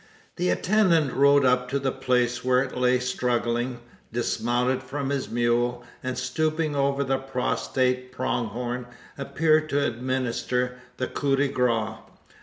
The attendant rode up to the place where it lay struggling; dismounted from his mule; and, stooping over the prostrate pronghorn, appeared to administer the coup de grace.